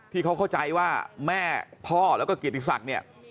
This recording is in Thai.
ที่เขาเข้าใจว่าแม่พ่อแล้วก็เกียรติศักดิ์เนี่ย